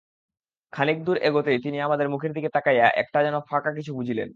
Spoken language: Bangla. খানিক দূর এগোতেই তিনি আমাদের মুখের দিকে তাকাইয়া একটা যেন ফাঁকা কিছু বুঝিলেন।